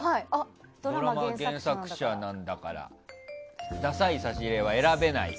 ドラマ原作者なんだからダサい差し入れは選べない！